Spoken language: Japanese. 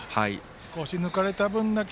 少し抜かれた分だけ。